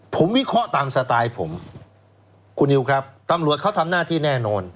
ผมวิเคราะห์ตามสไตล์ผมคุณนิวครับตำรวจเขาทำหน้าที่แน่นอน